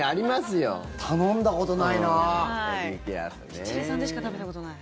ニチレイさんでしか食べたことない。